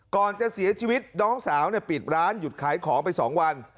ก่อนจะเสียชีวิตน้องสาวปิดร้านหยุดขายของไป๒วัน